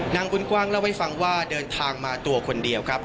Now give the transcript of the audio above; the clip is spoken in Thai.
บุญกว้างเล่าให้ฟังว่าเดินทางมาตัวคนเดียวครับ